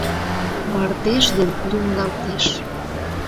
Мардеж ден лӱҥгалтеш.